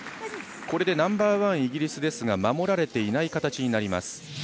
これでナンバーワン、イギリスですが守られていない形になります。